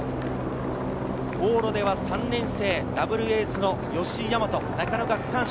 往路では３年生、ダブルエースの吉居大和、中野が区間賞。